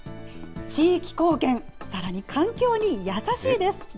地域貢献、さらに環境に優しいです。